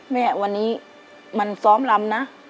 แม่วันนี้มันซ้อมลำนะ